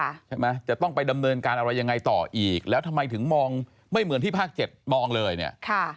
ใช่ไหมจะต้องไปดำเนินการอะไรยังไงต่ออีกแล้วทำไมถึงมองไม่เหมือนที่ภาคเจ็ดมองเลยเนี่ยค่ะ